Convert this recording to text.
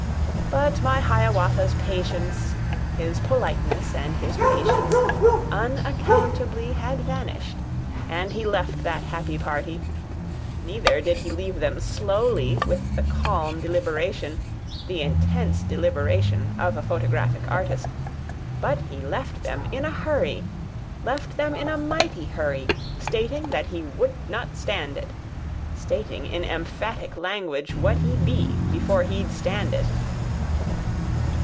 But my Hiawatha's patience, His politeness and his patience, Unaccountably had vanished, And he left that happy party. Neither did he leave them slowly, With the calm deliberation, The intense deliberation Of a photographic artist: But he left them in a hurry, Left them in a mighty hurry, Stating that he would not stand it, Stating in emphatic language What he'd be before he'd stand it.